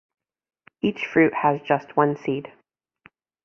Each fruit has just one seed.